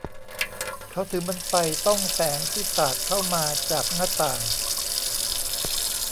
เขาถือมันไปต้องแสงที่สาดเข้ามาจากหน้าต่าง